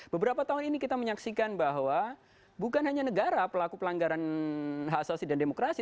beberapa tahun ini kita menyaksikan bahwa bukan hanya negara pelaku pelanggaran hak asasi dan demokrasi